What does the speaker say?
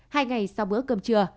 hai ngày sau bữa cơm trưa